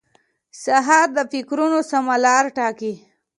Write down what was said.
سهار د فکرونو سمه لار ټاکي.